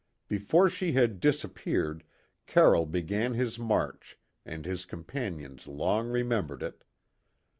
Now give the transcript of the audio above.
Before she had disappeared Carroll began his march, and his companions long remembered it.